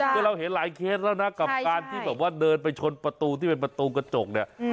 คือเราเห็นหลายเคสแล้วนะกับการที่แบบว่าเดินไปชนประตูที่เป็นประตูกระจกเนี่ย